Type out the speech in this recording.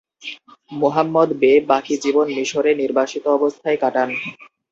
Muhammad Bey বাকি জীবন মিশরে নির্বাসিত অবস্থায় কাটান।